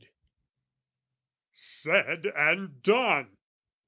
Said and done.